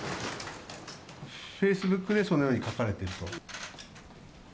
フェイスブックでそのように書かれていると。